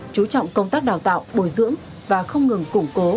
chú trọng công tác đào tạo bồi dưỡng và không ngừng củng cố